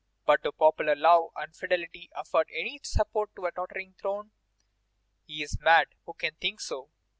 But do popular love and fidelity afford any support to a tottering throne? He is mad who can think so.